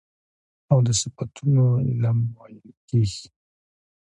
او د صفتونو علم ويل کېږي .